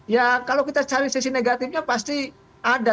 ya kalau kita cari sisi negatifnya pasti ada